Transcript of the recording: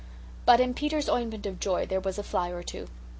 But in Peter's ointment of joy there was a fly or two.